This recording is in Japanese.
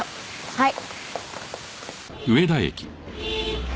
はい。